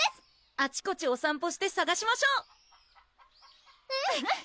あちこちお散歩してさがしましょううん！